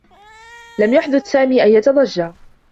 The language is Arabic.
لم يحدث سامي أيّة ضجّة.